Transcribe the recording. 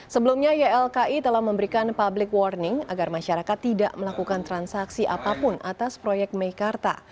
sebelumnya ylki telah memberikan public warning agar masyarakat tidak melakukan transaksi apapun atas proyek meikarta